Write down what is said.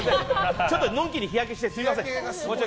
ちょっとのんきに日焼けしてすみません。